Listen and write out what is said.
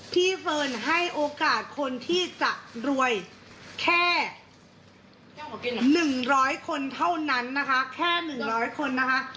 พี่เฟิร์นให้โอกาสคนที่จะรวยแค่หนึ่งร้อยคนเท่านั้นนะคะแค่หนึ่งร้อยคนนะคะ